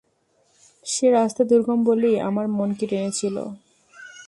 সে রাস্তা দুর্গম বলেই আমার মনকে টেনেছিল।